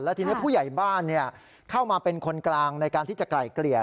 ทีนี้ผู้ใหญ่บ้านเข้ามาเป็นคนกลางในการที่จะไกล่เกลี่ย